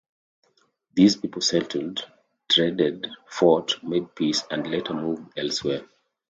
These people settled, traded, fought, made peace, and later moved elsewhere.